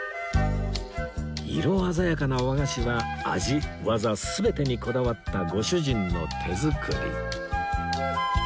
色鮮やかな和菓子は味技全てにこだわったご主人の手作り